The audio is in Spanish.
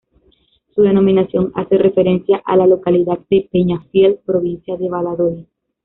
Su denominación hace referencia a la localidad de Peñafiel, provincia de Valladolid.